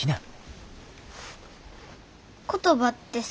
言葉ってさぁ。